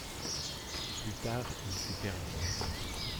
Plus tard, il fut perdu.